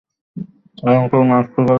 আরে, অন্তত নাস্তাটা তো করে যান।